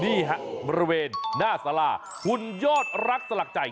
นี่ฮะบริเวณหน้าสาราหุ่นยอดรักสลักใจ